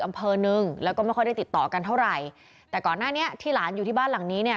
อำเภอหนึ่งแล้วก็ไม่ค่อยได้ติดต่อกันเท่าไหร่แต่ก่อนหน้านี้ที่หลานอยู่ที่บ้านหลังนี้เนี่ย